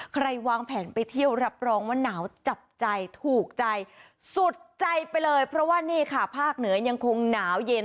ใครวางแผนไปเที่ยวรับรองว่าหนาวจับใจถูกใจสุดใจไปเลยเพราะว่านี่ค่ะภาคเหนือยังคงหนาวเย็น